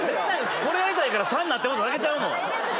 これやりたいから３になってもうただけちゃうの？